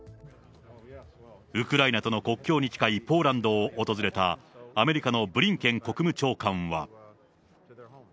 ウクライナとの国境に近いポーランドを訪れた、アメリカのブリンケン国務長官は。